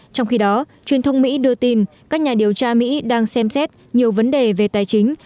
trong khi đó truyền thông mỹ đưa tin các nhà điều tra mỹ đang xem xét nhiều vấn đề về tài chính